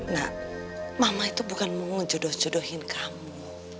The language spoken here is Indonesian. nah mama tuh bukan mau jodohin kamu